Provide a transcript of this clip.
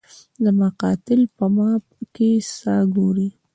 زما قاتل په ما کي ساه ګوري